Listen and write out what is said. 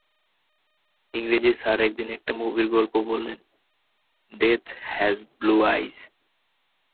ইংরেজির স্যার একদিন একটা মুভির গল্প বললেন, ডেথ হ্যাজ ব্লু আইজ।